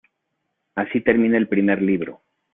Así termina el primer libro.